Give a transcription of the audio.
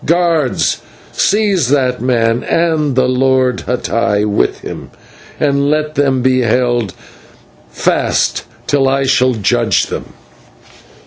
Guards, seize that man, and the Lord Mattai with him, and let them be held fast till I shall judge them."